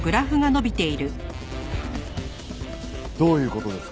どういう事ですか？